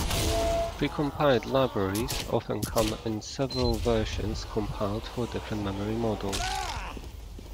Precompiled libraries often come in several versions compiled for different memory models.